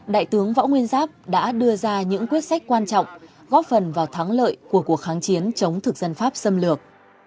đại tướng võ nguyên giáp đã đưa ra những quyết sách quan trọng góp phần vào thắng lợi của cuộc kháng chiến chống thực dân pháp xâm lược